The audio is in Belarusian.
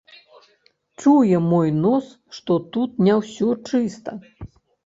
Чуе мой нос, што тут не ўсё чыста.